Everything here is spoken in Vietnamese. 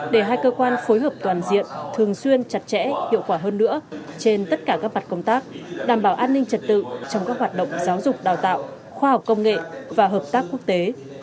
để hai cơ quan phối hợp toàn diện thường xuyên chặt chẽ hiệu quả hơn nữa trên tất cả các mặt công tác đảm bảo an ninh trật tự trong các hoạt động giáo dục đào tạo khoa học công nghệ và hợp tác quốc tế